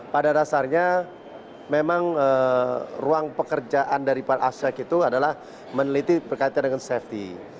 pada dasarnya memang ruang pekerjaan dari para aspek itu adalah meneliti berkaitan dengan safety